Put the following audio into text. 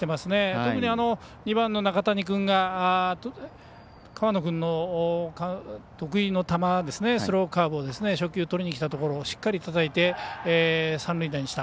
特に、２番の中谷君が河野君の得意の球スローカーブを初球とりにきたところをしっかりたたいて、三塁打にした。